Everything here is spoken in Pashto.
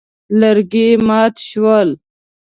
لرګي مات شول.